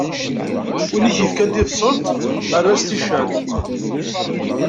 Win i k-ifkan tibṣelt, err-as ticcert.